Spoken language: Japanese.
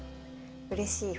うれしい。